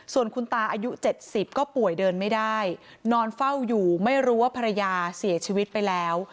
ส่วนคุณตาอายุ๗๐ก็ป่วยเดินไม่ได้นอนเฝ้าอยู่ไม่รู้ว่าภรรยาเสียชีวิตไปแล้ว